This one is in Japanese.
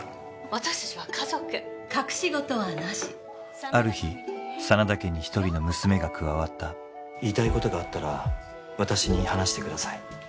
私達は家族隠しごとはなしある日真田家に一人の娘が加わった言いたいことがあったら私に話してください